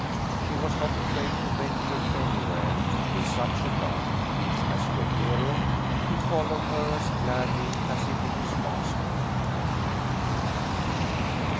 She was not afraid to venture anywhere with such a guard. As for Hero, he followed her as gladly as he did his master.